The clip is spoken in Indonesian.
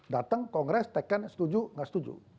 datang kongres taken setuju nggak setuju